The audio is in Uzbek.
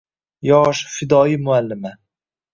Yosh, fidoyi muallima